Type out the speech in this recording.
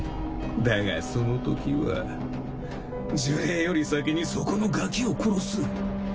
だがそのときは呪霊より先にそこのガキを殺す。